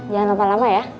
jangan lama lama ya